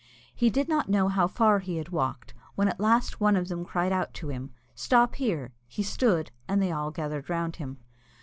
He did not know how far he had walked, when at last one of them cried out to him, "Stop here!" He stood, and they all gathered round him.